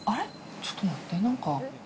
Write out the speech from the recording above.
ちょっと待って、なんか。